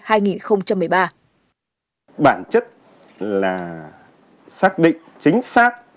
bản chất là xác định chính xác